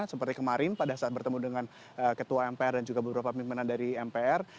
seperti kemarin pada saat bertemu dengan ketua mpr dan juga beberapa pimpinan dari mpr